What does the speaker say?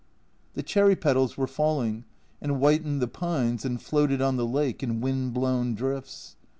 The cherry petals were falling, and whitened the pines and floated on the lake in wind blown drifts.